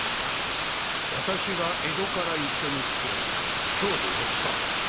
私が江戸から一緒に来て今日で４日。